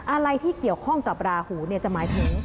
อะไรที่เกี่ยวข้องกับราหูเนี่ยจะหมายถึง